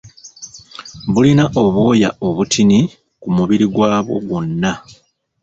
Bulina obwoya obutini ku mubiri gwabwo gwonna